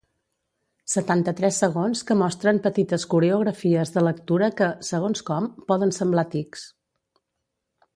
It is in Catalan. Setanta-tres segons que mostren petites coreografies de lectura que, segons com, poden semblar tics.